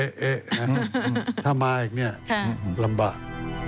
เอ๊เอ๊เอ๊ถ้ามาแบบนี้ลำบาก